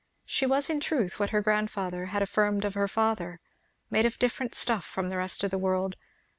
She was in truth what her grandfather had affirmed of her father, made of different stuff from the rest of the world.